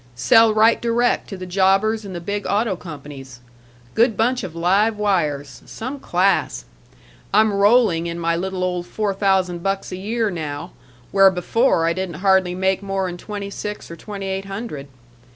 Sell right direct to the jobbers and the big auto companies. Good bunch of live wires. Some class! I'm rolling in my little old four thousand bucks a year now, where before I didn't hardly make more 'n twenty six or twenty eight hundred.